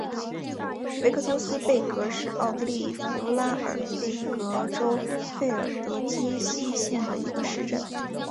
维克托斯贝格是奥地利福拉尔贝格州费尔德基希县的一个市镇。